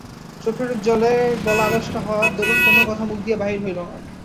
চোখের জলে গলা আড়ষ্ট হওয়ার দরুন কোনো কথা মুখ দিয়া বাহির হইল না।